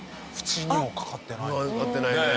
縁にもかかってない。